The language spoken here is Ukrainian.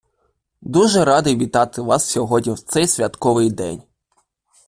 Дуже радий вітати вас сьогодні в цей святковий день.